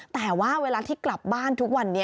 แต่ว่าเวลาที่กลับบ้านทุกวันนี้